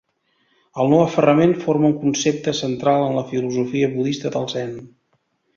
El no-aferrament forma un concepte central en la filosofia budista del zen.